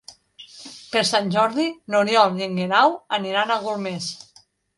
Per Sant Jordi n'Oriol i en Guerau aniran a Golmés.